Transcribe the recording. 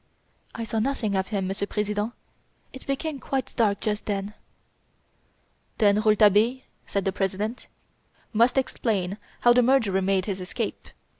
"I saw nothing of him, Monsieur President. It became quite dark just then." "Then Monsieur Rouletabille," said the President, "must explain how the murderer made his escape."